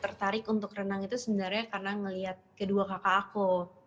tertarik untuk renang itu sebenarnya karena melihat kedua kakak aku